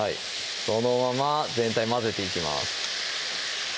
そのまま全体混ぜていきます